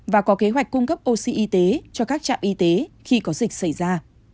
và có kế hoạch cung cấp oxy y tế cho các trạm y tế khi có dịch xảy ra